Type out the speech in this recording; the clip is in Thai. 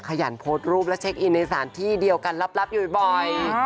ขยันโพสต์รูปและเช็คอินในสถานที่เดียวกันลับอยู่บ่อย